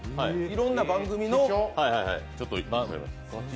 いろんな番組の。